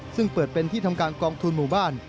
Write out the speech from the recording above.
ซึ่งเปิดเป็นที่ทำการกองทุนหมู่บ้าน